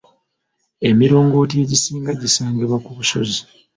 Emirongooti egisinga gisangibwa ku busozi.